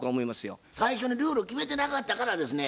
最初にルールを決めてなかったからですね